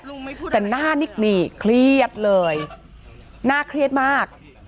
เพราะแต่หน้านิกหมี่เครียดเลยหน้าเครียดมาก